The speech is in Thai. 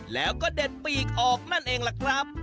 แล้วก็เด็ดปีกออกนั่นเองล่ะครับ